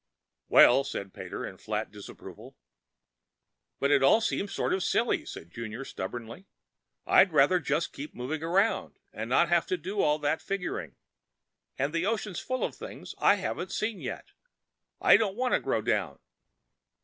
"Well!" said Pater in flat disapproval. "But it all seems sort of silly," said Junior stubbornly. "I'd rather just keep moving around, and not have to do all that figuring. And the ocean's full of things I haven't seen yet. I don't want to grow down!"